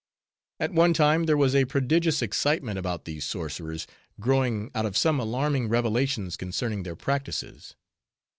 At one time, there was a prodigious excitement about these sorcerers, growing out of some alarming revelations concerning their practices.